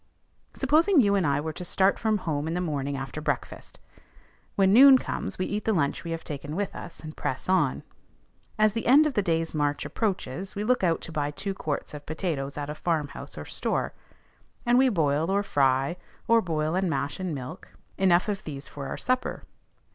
Supposing you and I were to start from home in the morning after breakfast; when noon comes, we eat the lunch we have taken with us, and press on. As the end of the day's march approaches, we look out to buy two quarts of potatoes at a farmhouse or store; and we boil or fry, or boil and mash in milk, enough of these for our supper.